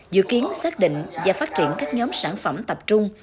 dự kiến xác định và phát triển các nhóm sản phẩm tập trung